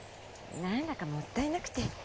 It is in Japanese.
何だかもったいなくて。